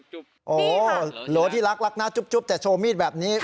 เหรอที่รักรักหน้าจุ๊บแต่โชว์มีดแบบนี้